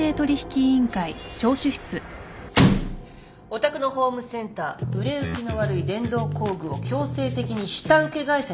お宅のホームセンター売れ行きの悪い電動工具を強制的に下請け会社に買わせていますね。